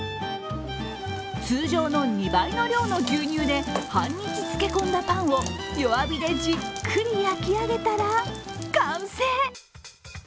通常の２倍の量の牛乳で半日つけ込んだパンを弱火でじっくり焼き上げたら完成！